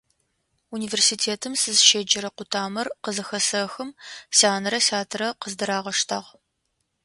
Университетым сызщеджэрэ къутамэр къызхэсэхым, сянэрэ сятэрэ къыздырагъэштагъ.